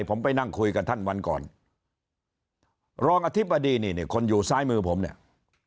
ผมไปนั่งคุยกับท่านวันก่อนรองอธิบดีนี่เนี่ยคนอยู่ซ้ายมือผมเนี่ย